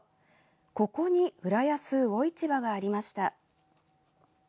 ここに浦安魚市場がありました。